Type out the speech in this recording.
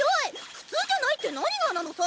普通じゃないって何がなのさ！